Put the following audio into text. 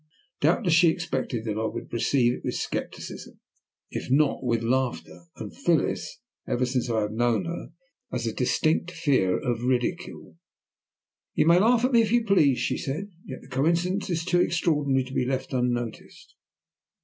Doubtless she expected that I would receive it with scepticism, if not with laughter; and Phyllis, ever since I have known her, has a distinct fear of ridicule. "You may laugh at me if you please," she said, "yet the coincidence is too extraordinary to be left unnoticed.